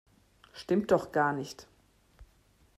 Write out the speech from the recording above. Stimmt doch gar nicht!